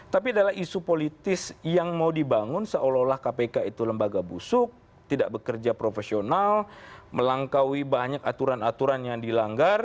tapi adalah isu politis yang mau dibangun seolah olah kpk itu lembaga busuk tidak bekerja profesional melangkau banyak aturan aturan yang dilanggar